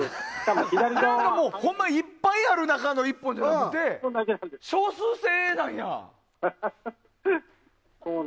ほんまいっぱいある中の１本じゃなくて少数制なんだ。